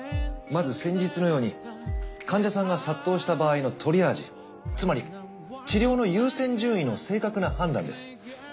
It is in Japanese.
まず先日のように患者さんが殺到した場合のトリアージつまり治療の優先順位の正確な判断です。